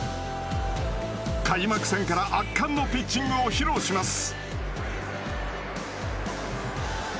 開幕戦から圧巻のピッチングを披露します。